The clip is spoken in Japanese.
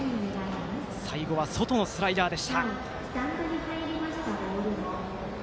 最後は外のスライダーでした。